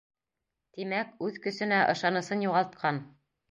Тимәк, үҙ көсөнә ышанысын юғалтҡан.